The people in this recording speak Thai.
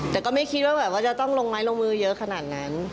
แต่ก็ไม่คิดว่าแบบว่าจะต้องลงไม้ลงมือเยอะขนาดนั้น